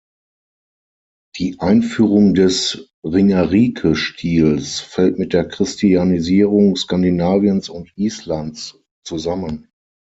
Die Einführung des Ringerike-Stils fällt mit der Christianisierung Skandinaviens und Islands zusammen.